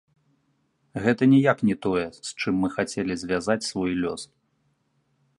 Гэта ніяк не тое, з чым мы хацелі звязаць свой лёс.